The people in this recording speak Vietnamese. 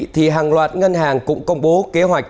thì hàng loạt ngân hàng cũng công bố kế hoạch